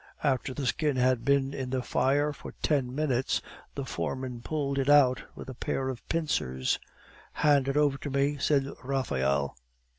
After the skin had been in the fire for ten minutes, the foreman pulled it out with a pair of pincers. "Hand it over to me," said Raphael.